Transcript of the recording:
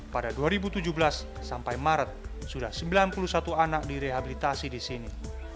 pada dua ribu tujuh belas sampai maret sudah sembilan puluh satu anak direhabilitasi di sini